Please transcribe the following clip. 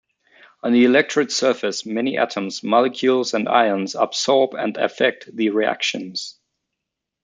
On the electrode surface, many atoms, molecules, and ions adsorb and affect the reactions.